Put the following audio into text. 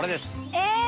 え！